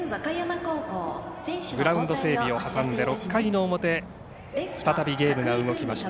グラウンド整備を挟んで６回の表再びゲームが動きました。